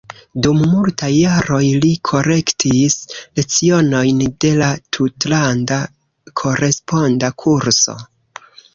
Dum multaj jaroj li korektis lecionojn de la tutlanda koresponda kurso.